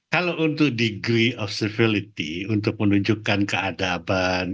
kalau untuk degree of civility untuk menunjukkan keadaban